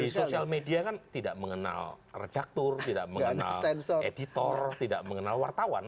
di sosial media kan tidak mengenal redaktur tidak mengenal editor tidak mengenal wartawan